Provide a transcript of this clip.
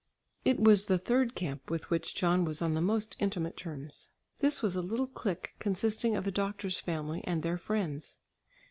It was the third camp with which John was on the most intimate terms. This was a little clique consisting of a doctor's family and their friends.